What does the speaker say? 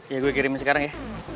ya gue kirim sekarang ya